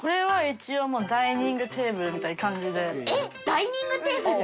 えっダイニングテーブル？